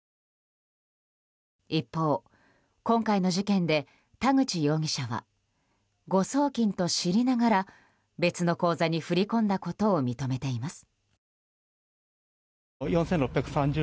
一方、今回の事件で田口容疑者は誤送金と知りながら別の口座に振り込んだことを認めています。